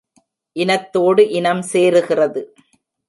இனத்தோடு இனம் சேருகிறது.